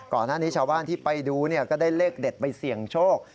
ก่อนหน้านี้ชาวบ้านที่ไปดูก็ได้เลขเด็ดไปเสี่ยงโชค